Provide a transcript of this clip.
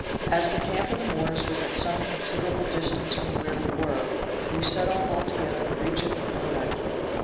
As the camp of the Moors was at some considerable distance from where we were, we set off altogether to reach it before night.